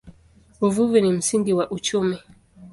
Uvuvi ni msingi wa uchumi.